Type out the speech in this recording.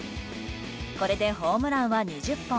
これでホームランは２０本。